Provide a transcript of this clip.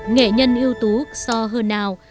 kẻ nhân yếu tố so hơn nào